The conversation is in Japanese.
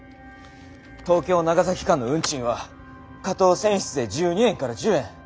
東京長崎間の運賃は下等船室で１２円から１０円